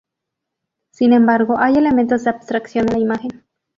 Sin embargo, hay elementos de abstracción en la imagen.